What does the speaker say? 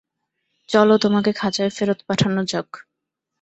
চলো তোমাকে খাঁচায় ফেরত পাঠানো যাক।